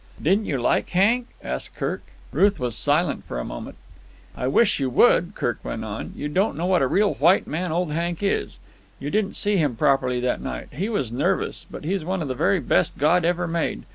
"Didn't you like Hank?" asked Kirk. Ruth was silent for a moment. "I wish you would," Kirk went on. "You don't know what a real white man old Hank is. You didn't see him properly that night. He was nervous. But he's one of the very best God ever made.